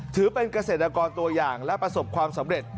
ถือเป็นเกษตรกรตัวอย่างและประสบความสำเร็จ